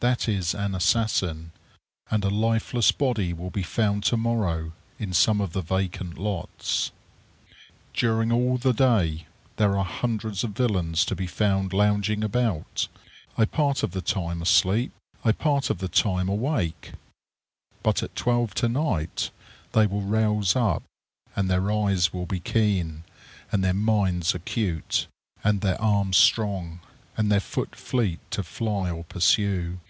That is an assassin; and a lifeless body will be found to morrow in some of the vacant lots. During all the day there are hundreds of villains to be found lounging about, a part of the time asleep, apart of the time awake; but at twelve to night they will rouse up, and their eyes will be keen, and their minds acute, and their arms strong, and their foot fleet to fly or pursue.